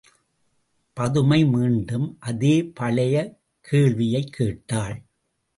பதுமை மீண்டும் அதே பழைய கேள்வியைக் கேட்டாள்.